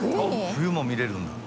冬も見れるんだ。